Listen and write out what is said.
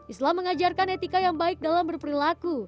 islam mengajarkan etika yang baik dalam berperilaku